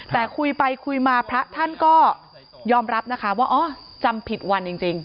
แต่คุยไปคุยมาพระท่านก็ยอมรับนะคะว่าอ๋อจำผิดวันจริง